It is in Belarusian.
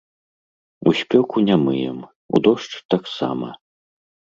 У спёку не мыем, у дождж таксама.